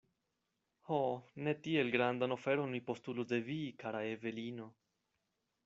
Ho, ne tiel grandan oferon mi postulos de vi, kara Evelino!